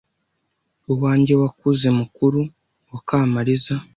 Uwanjye wakuze mukuru wa Kamaliza